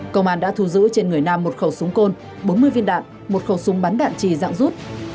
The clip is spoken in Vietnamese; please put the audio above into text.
công an đã thu giữ trên người nam một khẩu súng côn bốn mươi viên đạn một khẩu súng bắn đạn trì dạng rút